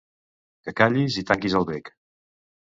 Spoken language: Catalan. Que callis i tanquis el bec.